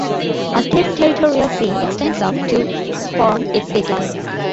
A state's territorial sea extends up to from its baseline.